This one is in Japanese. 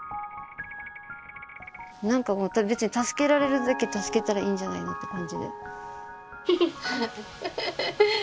何か助けられるだけ助けたらいいんじゃないのって感じで。